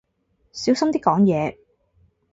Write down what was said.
小心啲講嘢